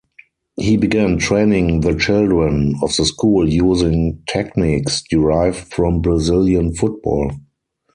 He began training the children of the school using techniques derived from Brazilian football.